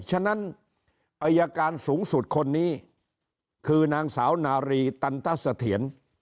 ฉะนั้นอายการสูงสุดคนนี้คือนางสาวนารีตันตเสถียร